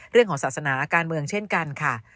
เรื่องของศาสนาการเมืองเช่นกันค่ะ